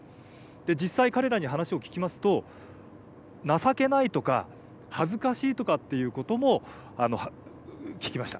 実際彼らに話を聞きますと情けないとか恥ずかしいとかっていうことも聞きました。